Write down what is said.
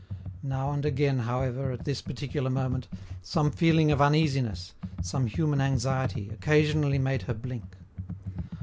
Now and again, however, at this particular moment, some feeling of uneasiness, some human anxiety, occasionally made her blink.